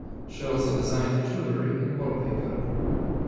She also designed jewelry and wallpaper.